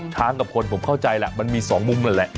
กับคนผมเข้าใจแหละมันมี๒มุมนั่นแหละ